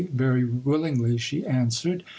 "Very willingly," she answered. M.